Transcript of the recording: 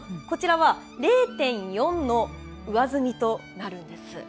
こちらは、０．４の上積みとなるんです。